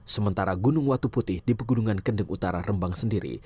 sementara gunung watu putih di pegunungan kendeng utara rembang sendiri